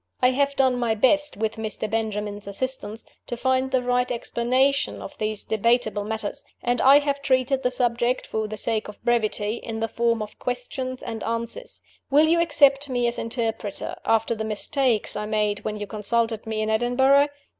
I have done my best, with Mr. Benjamin's assistance, to find the right explanation of these debatable matters; and I have treated the subject, for the sake of brevity, in the form of Questions and Answers. Will you accept me as interpreter, after the mistakes I made when you consulted me in Edinburgh?